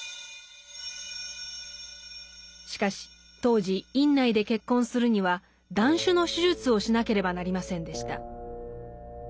しかし当時院内で結婚するには断種の手術をしなければなりませんでした。